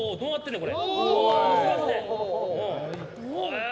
これ。